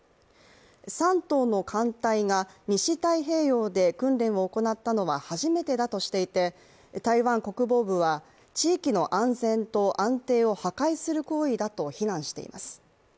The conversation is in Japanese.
山東の艦隊が西太平洋で訓練を行ったのは初めてだとしていて台湾国防部は地域の安全と安定を破壊する行為だと非難しています。